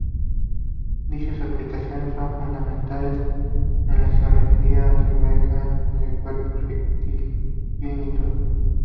Dichas aplicaciones son fundamentales en la geometría algebraica de cuerpos finitos.